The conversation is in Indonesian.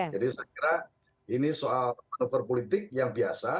jadi saya kira ini soal manuver politik yang biasa